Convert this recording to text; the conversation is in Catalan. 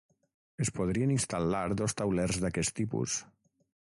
Es podrien instal·lar dos taulers d'aquest tipus.